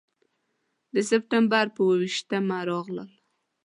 د سپټمبر پر اوه ویشتمه راغلل.